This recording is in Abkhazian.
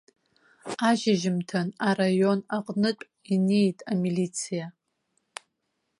Ашьжьымҭан араион аҟнытә инеит амилициа.